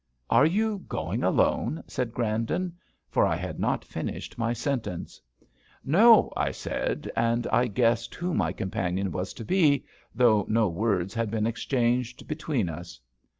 "Are you going alone?" said Grandon; for I had not finished my sentence. "No," I said; and I guessed who my companion was to be, though no words had been exchanged between us.